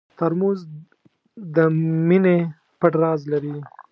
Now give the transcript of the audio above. ترموز د مینې پټ راز لري.